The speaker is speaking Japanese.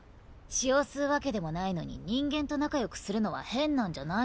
血を吸うわけでもないのに人間と仲良くするのは変なんじゃないのか？